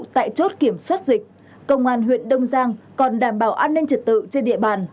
tại chốt kiểm soát dịch công an huyện đông giang còn đảm bảo an ninh trật tự trên địa bàn